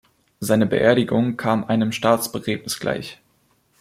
Seine Beerdigung kam einem Staatsbegräbnis gleich.